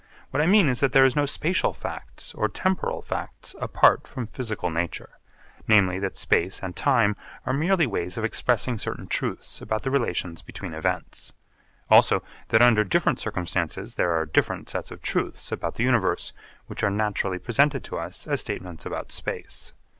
What I mean is that there are no spatial facts or temporal facts apart from physical nature, namely that space and time are merely ways of expressing certain truths about the relations between events. Also that under different circumstances there are different sets of truths about the universe which are naturally presented to us as statements about space.